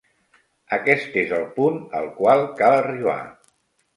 Aquest és el punt al qual cal arribar.